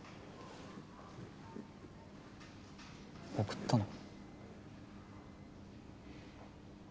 送ったの？